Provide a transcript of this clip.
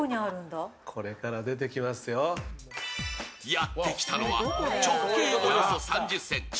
やってきたのは、直径およそ３０ｃｍ